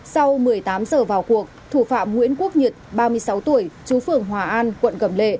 sau một mươi tám giờ vào cuộc thủ phạm nguyễn quốc nhật ba mươi sáu tuổi chú phường hòa an quận cầm lệ